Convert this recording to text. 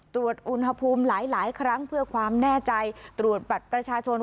ตรวจอุณหภูมิหลายครั้งเพื่อความแน่ใจตรวจบัตรประชาชน